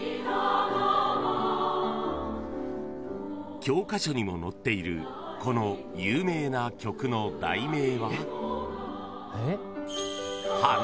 ［教科書にも載っているこの有名な曲の題名は］